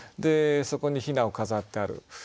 そこに雛を飾ってある。